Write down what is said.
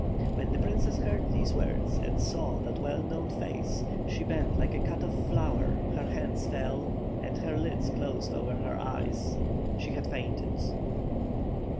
When the princess heard these words and saw that well known face she bent like a cut oflf flower, her hands fell and her lids closed over her eyes. She had fainted.